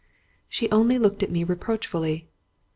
She only looked at me reproachfully.